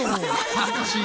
恥ずかしい。